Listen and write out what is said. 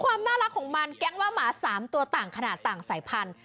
ความน่ารักของมันแก๊งว่าหมา๓ตัวต่างขนาดต่างสายพันธุ